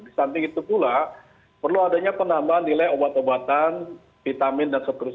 di samping itu pula perlu adanya penambahan nilai obat obatan vitamin dan seterusnya